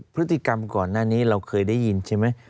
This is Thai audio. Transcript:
พฤติกรรมก่อนหน้านี้เราเคยได้ยินใช่ไหม